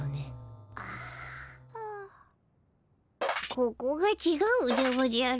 ここがちがうでおじゃる。